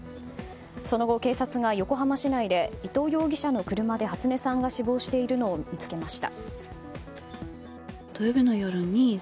その後、警察が横浜市内で伊藤容疑者の車で初音さんが死亡しているのを見つけました。